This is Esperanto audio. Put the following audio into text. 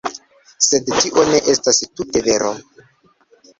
Sed tio ne estas tute vero.